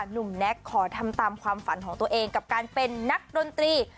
แน็กขอทำตามความฝันของตัวเองกับการเป็นนักดนตรี